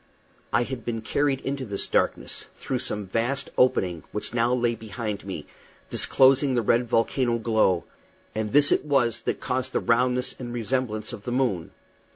I had been carried into this darkness, through some vast opening which now lay behind me, disclosing the red volcano glow, and this it was that caused that roundness and resemblance to the moon.